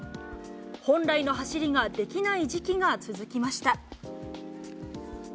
本来の走りができない時期が続きました。